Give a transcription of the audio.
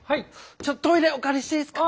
ちょっとトイレお借りしていいですか？